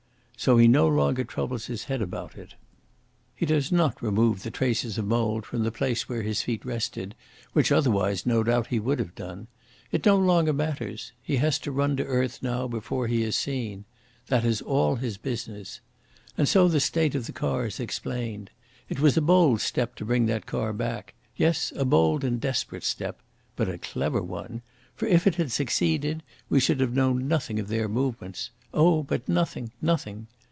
So he no longer troubles his head about it. He does not remove the traces of mould from the place where his feet rested, which otherwise, no doubt, he would have done. It no longer matters. He has to run to earth now before he is seen. That is all his business. And so the state of the car is explained. It was a bold step to bring that car back yes, a bold and desperate step. But a clever one. For, if it had succeeded, we should have known nothing of their movements oh, but nothing nothing.